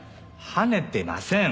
はねてません！